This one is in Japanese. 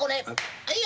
はいよ。